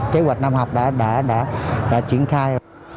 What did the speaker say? kế hoạch năm học đã chuyển khai